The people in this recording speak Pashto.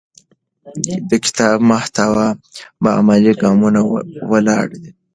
د کتاب محتوا په عملي ګامونو ولاړه ده.